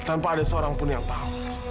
tanpa ada seorang pun yang tahu